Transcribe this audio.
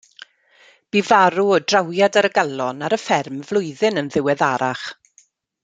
Bu farw o drawiad ar y galon ar y fferm flwyddyn yn ddiweddarach.